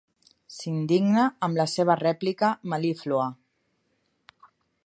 S'indigna amb la seva rèplica mel·líflua.